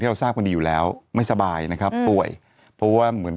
เราทราบกันดีอยู่แล้วไม่สบายนะครับป่วยเพราะว่าเหมือน